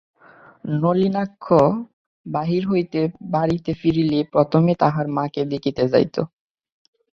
নলিনাক্ষ বাহির হইতে বাড়িতে ফিরিলেই প্রথমে তাহার মাকে দেখিতে যাইত।